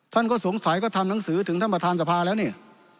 ท่านก็สงสัยก็ทำหนังสือถึงท่านประธานสภาแล้วนี่